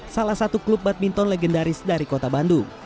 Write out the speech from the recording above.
salah satu klub badminton legendaris dari kota bandung